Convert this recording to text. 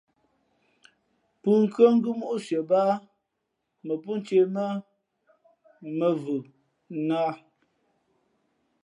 Pʉ̂nkhʉ́ά ngʉ́ móʼ sʉα báá pō mᾱ ncēh mά mᾱvhʉ náh.